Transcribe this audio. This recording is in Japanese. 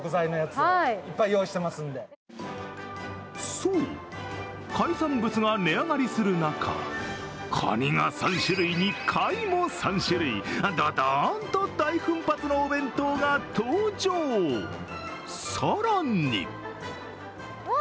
そう、海産物が値上がりする中、かにが３種類に貝も３種類、ドドーンと大奮発のお弁当が登場、更にわ！